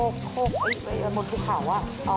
โค้กวันบนธุขาว